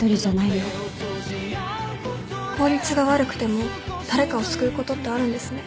効率が悪くても誰かを救うことってあるんですね。